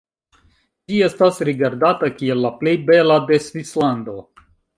Ĝi estas rigardata kiel la plej bela de Svislando.